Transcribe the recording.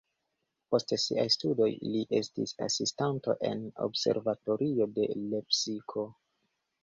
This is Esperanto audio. Post siaj studoj li estis asistanto en observatorio de Lepsiko.